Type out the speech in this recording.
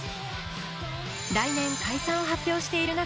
来年、解散を発表している中